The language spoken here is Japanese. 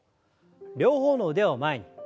両方の腕を前に。